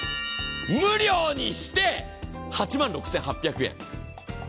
無料にして、８万６８００円。